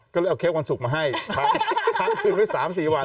อ๋อก็เลยเอาเค้กวันสุกมาให้ครั้งคืนไว้๓๔วัน